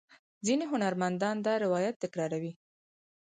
ځینې هنرمندان دا روایت تکراروي.